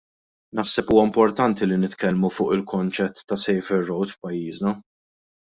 Naħseb huwa importanti li nitkellmu fuq il-konċett ta' safer roads f'pajjiżna.